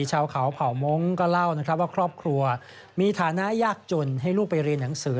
ชาวเขาเผ่ามงค์ก็เล่านะครับว่าครอบครัวมีฐานะยากจนให้ลูกไปเรียนหนังสือ